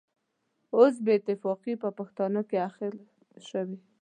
اوس بې اتفاقي په پښتانه کې اخښل شوې.